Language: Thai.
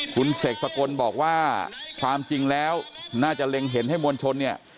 คุณเสกสกลบอกว่าความจริงแล้วน่าจะเล็งเห็นให้มวลชนเนี่ย